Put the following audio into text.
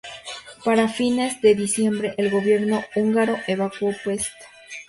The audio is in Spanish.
Para fines de diciembre, el gobierno húngaro evacuó Pest.